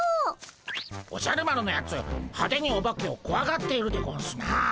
おじゃる丸のやつ派手にオバケをこわがっているでゴンスな。